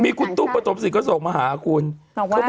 ได้ฝึกภาษาเท่านั้น